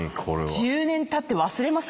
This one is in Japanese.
１０年たって忘れます？